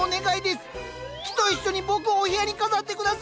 木と一緒に僕をお部屋に飾って下さい！